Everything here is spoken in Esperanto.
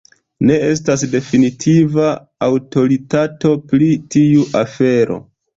Ne estas definitiva aŭtoritato pri tiu afero.